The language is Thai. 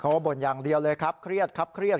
ว่าบ่นอย่างเดียวเลยครับเครียดครับเครียด